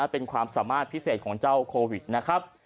เป็นความสามารถพิเศษของเจ้าโควิดนะครับ